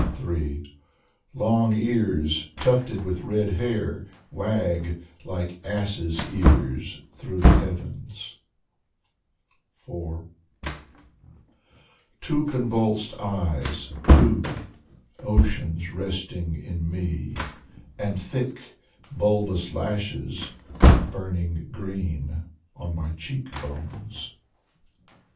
3 Long ears, Tufted with red hair, Wag Like asses' ears Through the heavens! 4 Two Convulsed eyes — Two Oceans resting in me, Piotr Oreshin 173 And thick Bulbous lashes Burning green On my cheek bones.